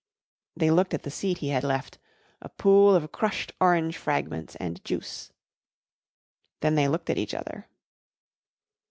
They looked at the seat he had left a pool of crushed orange fragments and juice. Then they looked at each other.